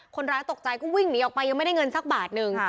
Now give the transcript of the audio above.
คนร้ายตกใจก็วิ่งหนีออกไปยังไม่ได้เงินสักบาทนึง